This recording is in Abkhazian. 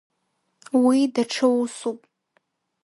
Уи даҽа усуп.